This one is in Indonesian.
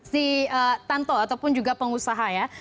si tanto ataupun juga pengusaha ya